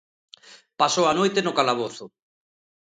Pasou a noite no calabozo.